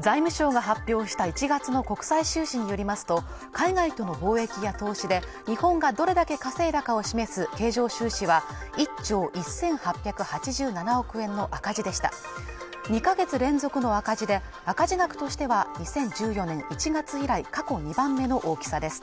財務省が発表した１月の国際収支によりますと海外との貿易や投資で日本がどれだけ稼いだかを示す経常収支は１兆１８８７億円の赤字でした２か月連続の赤字で赤字額としては２０１４年１月以来過去２番目の大きさです